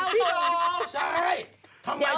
พี่โด่ง